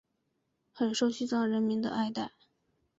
很受西藏人民的爱戴。